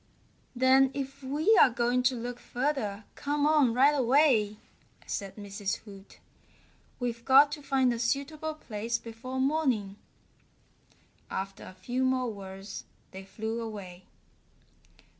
"Then if we're going to look further come on right away," said Mrs. Hoot. "We've got to find a suitable place before morning." After a few more words they flew away.